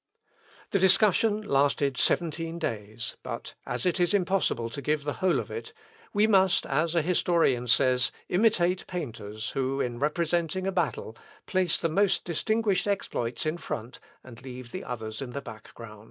The discussion lasted seventeen days; but as it is impossible to give the whole of it, we must, as a historian says, imitate painters who, in representing a battle, place the most distinguished exploits in front, and leave the others in the back ground.